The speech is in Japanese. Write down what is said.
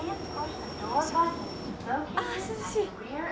あ涼しい。